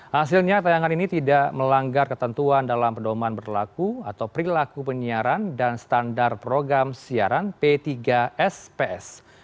hasilnya tayangan ini tidak melanggar ketentuan dalam pedoman berlaku atau perilaku penyiaran dan standar program siaran p tiga sps